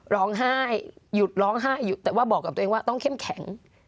ร้องไห้หยุดร้องไห้หยุดแต่ว่าบอกกับตัวเองว่าต้องเข้มแข็ง